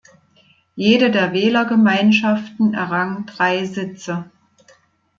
Jede der Wählergemeinschaften errang drei Sitze.